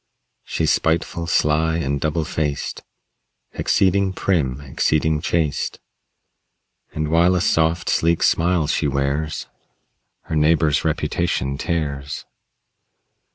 She's spiteful, sly and double faced, Exceeding prim, exceeding chaste. And while a soft, sleek smile she wears, Her neighbor's reputation tears.